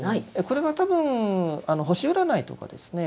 これは多分星占いとかですね